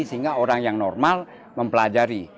sehingga orang yang normal mempelajari